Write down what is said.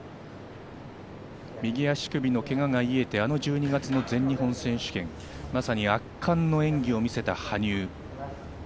右足首のけがが癒えて１２月の全日本選手権、まさに圧巻の演技を見せた羽生。